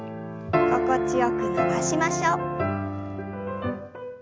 心地よく伸ばしましょう。